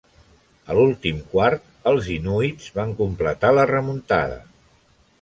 A l'últim quart, els inuits van completar la remuntada.